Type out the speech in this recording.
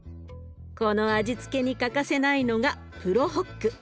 この味付けに欠かせないのがプロホック。